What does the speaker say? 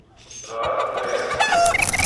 Dɣa aten-aya!